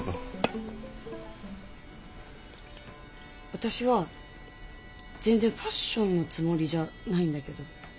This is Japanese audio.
私は全然ファッションのつもりじゃないんだけど。